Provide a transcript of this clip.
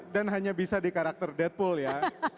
hanya bisa di karakter deadpool ya